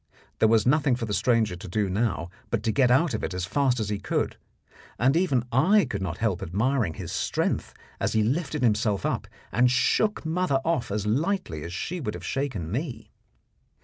There was nothing for the stranger to do now but to get out of it as fast as he could; and even I could not help admiring his strength as he lifted himself up and shook mother off as lightly as she would have shaken me.